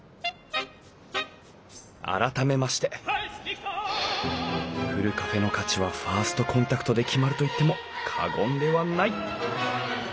改めましてふるカフェの価値はファーストコンタクトで決まると言っても過言ではない。